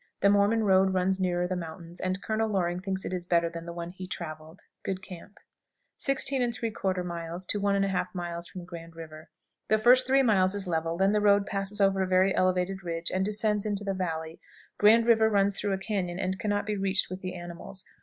The Mormon road runs nearer the mountains, and Colonel Loring thinks it is better than the one he traveled. Good camp. 16 3/4. 1 1/2 mile from Grand River. The first 3 miles is level, then the road passes over a very elevated ridge, and descends into the valley. Grand River runs through a cañon, and can not be reached with the animals.